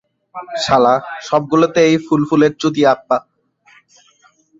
শালা, সবগুলাতে এই ফুল-ফলের চুতিয়াপ্পা।